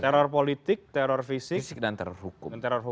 teror politik teror fisik dan teror hukum